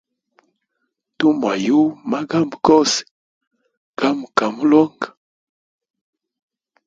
Tumwayuwa magambo gose gamukamulonga.